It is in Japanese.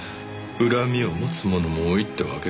恨みを持つ者も多いってわけか。